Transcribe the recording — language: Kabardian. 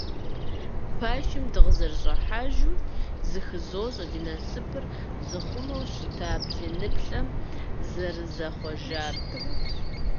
Пэшым дыкъызэрыщӀыхьэжу зыхызощӀэ ди насыпыр зыхъумэу щыта блыниплӀым зэрызахъуэжар.